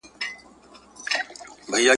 ماته مه راځه واعظه چي ما نغده سودا وکړه ,